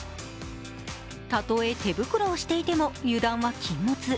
たとえ手袋をしていても油断は禁物。